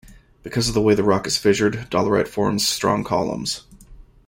Because of the way the rock is fissured, Dolerite forms strong columns.